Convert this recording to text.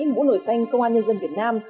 mũ nổi danh công an nhân dân việt nam